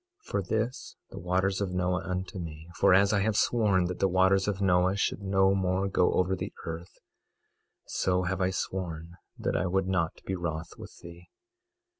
22:9 For this, the waters of Noah unto me, for as I have sworn that the waters of Noah should no more go over the earth, so have I sworn that I would not be wroth with thee.